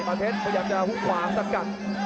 มาเพชรเขาอยากจะหุ้งขวามสักกัด